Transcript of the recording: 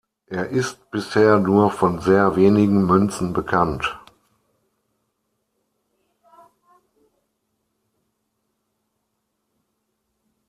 Er ist bisher nur von sehr wenigen Münzen bekannt.